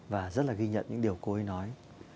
và rất là ghi nhận những điều cô ấy nói